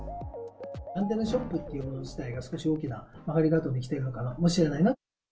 アンテナショップというもの自体が、少し大きな曲がり角に来ているのかもしれないな。